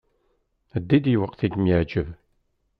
Ɛeddi-d ayweq i m-iɛǧeb.